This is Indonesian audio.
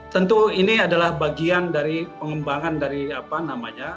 tentu ini adalah bagian dari pengembangan dari apa namanya